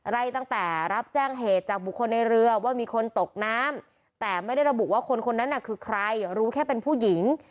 ตั้งแต่รับแจ้งเหตุจากบุคคลในเรือว่ามีคนตกน้ำแต่ไม่ได้ระบุว่าคนคนนั้นน่ะคือใครรู้แค่เป็นผู้หญิง